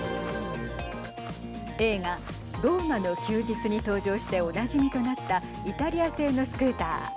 映画ローマの休日に登場しておなじみとなったイタリア製のスクーター。